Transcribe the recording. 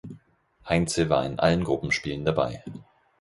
Heintze war in allen Gruppenspielen dabei.